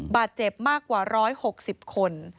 บาดเจ็บมากกว่า๑๖๐คน